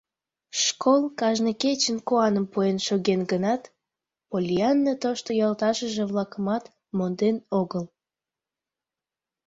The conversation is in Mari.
Школ кажне кечын куаным пуэн шоген гынат, Поллианна тошто йолташыже-влакымат монден огыл.